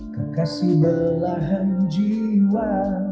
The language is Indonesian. kekasih belahan jiwa